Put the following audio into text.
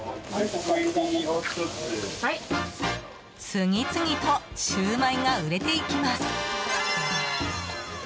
次々とシューマイが売れていきます。